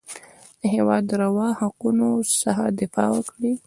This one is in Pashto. د هېواد روا حقونو څخه دفاع وکړي.